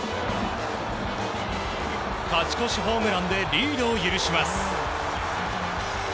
勝ち越しホームランでリードを許します。